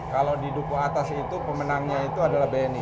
kalau di duku atas itu pemenangnya itu adalah bni